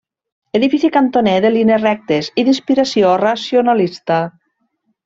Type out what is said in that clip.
Edifici cantoner de línies rectes i d'inspiració racionalista.